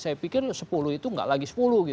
saya pikir sepuluh itu tidak lagi sepuluh gitu ya